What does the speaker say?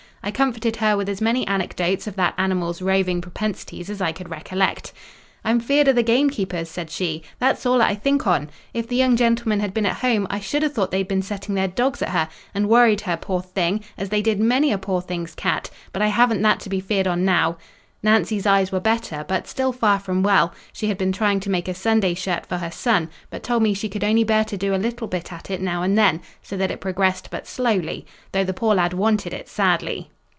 I comforted her with as many anecdotes of that animal's roving propensities as I could recollect. "I'm feared o' th' gamekeepers," said she: "that's all 'at I think on. If th' young gentlemen had been at home, I should a' thought they'd been setting their dogs at her, an' worried her, poor thing, as they did many a poor thing's cat; but I haven't that to be feared on now." Nancy's eyes were better, but still far from well: she had been trying to make a Sunday shirt for her son, but told me she could only bear to do a little bit at it now and then, so that it progressed but slowly, though the poor lad wanted it sadly.